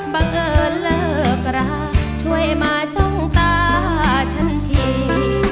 บังเอิญเลิกราช่วยมาช่องตาฉันที